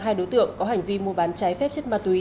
hai đối tượng có hành vi mua bán trái phép chất ma túy